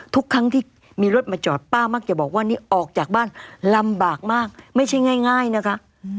ทุกครั้งที่มีรถมาจอดป้ามักจะบอกว่านี่ออกจากบ้านลำบากมากไม่ใช่ง่ายนะคะ